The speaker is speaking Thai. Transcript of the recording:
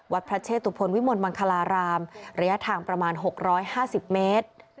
พระเชตุพลวิมลมังคลารามระยะทางประมาณ๖๕๐เมตร